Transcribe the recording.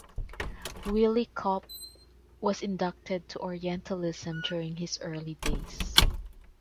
Willy Kaup was inducted to orientalism during his early days.